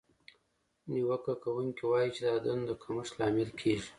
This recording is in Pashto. نیوکه کوونکې وایي چې دا د دندو د کمښت لامل کیږي.